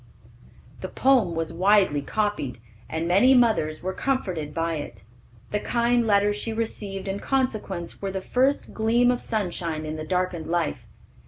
The poem was widely copied, and many mothers were comforted by it. The kind letters she received in consequence were the first gleam of sunshine in the darkened life.